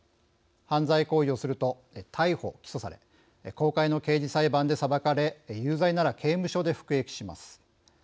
犯罪行為をすると逮捕・起訴され公開の刑事裁判で裁かれ有罪なら刑務所で服役します。